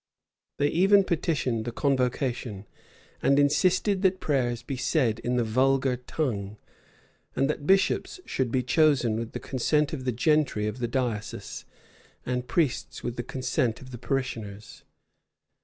[] They even petitioned the convocation, and insisted that prayers should be said in the vulgar tongue, and that bishops should be chosen with the consent of the gentry of the diocese, and priests with the consent of the parishioners.